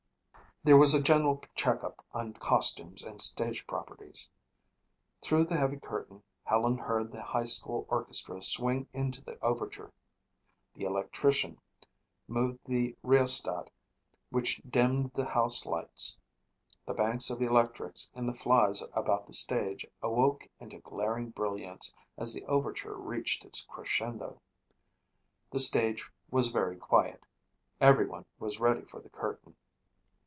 There was a general checkup on costumes and stage properties. Through the heavy curtain Helen heard the high school orchestra swing into the overture. The electrician moved the rheostat which dimmed the house lights. The banks of electrics in the flies about the stage awoke into glaring brilliance as the overture reached its crescendo. The stage was very quiet. Everyone was ready for the curtain.